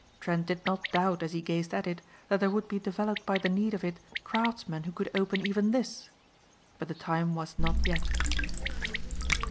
Trent did not doubt, as he gazed at it, that there would be developed by the need of it craftsmen who could open even this. But the time was not yet.